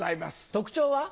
特徴は？